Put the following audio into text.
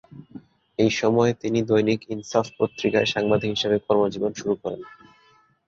এ সময়ে তিনি 'দৈনিক ইনসাফ' পত্রিকায় সাংবাদিক হিসেবে কর্মজীবন শুরু করেন।